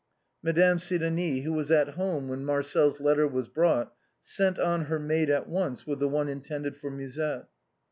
Madame Sidonie, who was at home when Marcel's let ter was brought, sent on her maid at once with the one in tended for Musette.